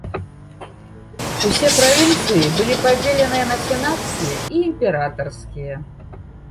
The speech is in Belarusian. Усе правінцыі былі падзеленыя на сенацкія і імператарскія.